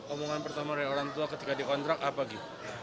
omongan pertama dari orang tua ketika dikontrak apa gitu